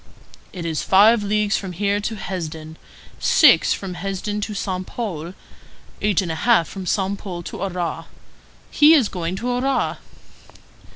"It is five leagues from here to Hesdin, six from Hesdin to Saint Pol, eight and a half from Saint Pol to Arras. He is going to Arras."